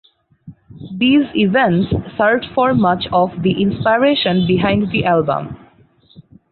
These events served for much of the inspiration behind the album.